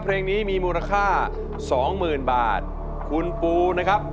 เพลงนี้มีมูลค่าสองหมื่นบาทคุณปูนะครับ